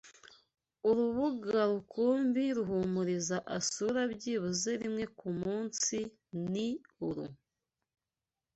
Urubuga rukumbi Ruhumuriza asura byibuze rimwe kumunsi ni uru.